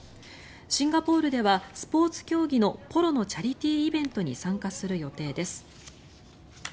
シンガポールではスポーツ競技のポロのチャリティーイベントに参加する予定です。